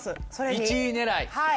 １位狙い。